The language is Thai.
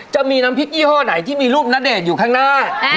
จะมีน้ำพริกยี่ห้อไหนที่มีรูปณเดชน์อยู่ข้างหน้า